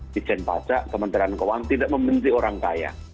dijen pajak kementerian keuangan tidak membenci orang kaya